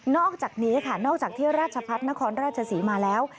อกจากนี้ค่ะนอกจากที่ราชพัฒนครราชศรีมาแล้ว